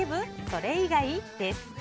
それ以外？です。